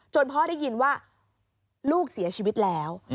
พ่อได้ยินว่าลูกเสียชีวิตแล้ว